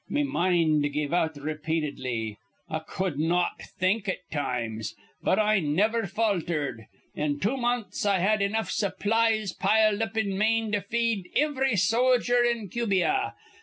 Me mind give out repeatedly. I cud not think at times, but I niver faltered. In two months I had enough supplies piled up in Maine to feed ivry sojer in Cubia.